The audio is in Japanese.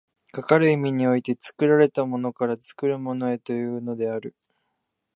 かかる意味において、作られたものから作るものへというのである。